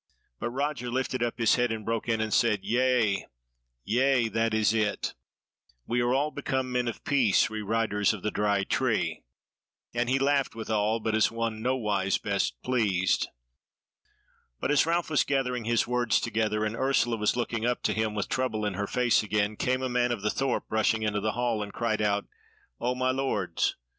But Roger lifted up his head and broke in, and said: "Yea, yea! that is it: we are all become men of peace, we riders of the Dry Tree!" And he laughed withal, but as one nowise best pleased. But as Ralph was gathering his words together, and Ursula was looking up to him with trouble in her face again, came a man of the thorp rushing into the hall, and cried out: "O, my lords!